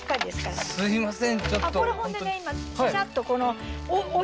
これすいません